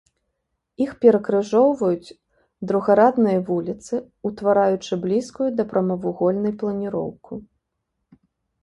Іх перакрыжоўваюць другарадныя вуліцы, утвараючы блізкую да прамавугольнай планіроўку.